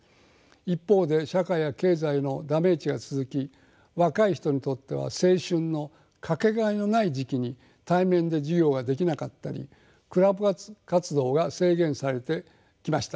一方で社会や経済のダメージが続き若い人にとっては青春の掛けがえのない時期に対面で授業ができなかったりクラブ活動が制限されてきました。